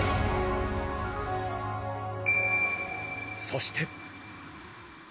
［そして］